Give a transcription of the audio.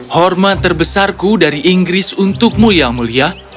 hormat terbesarku dari inggris untukmu yang mulia